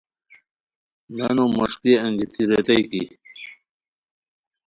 نانو مݰکی انگیتی ریتائے کی